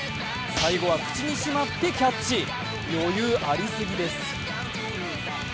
最後は口にしまってキャッチ、余裕ありすぎです。